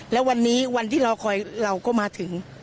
แล้ววันนี้วันที่รอคอยเราก็มาถึง